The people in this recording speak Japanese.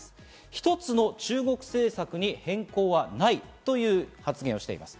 一つの中国政府に変更はないとしています。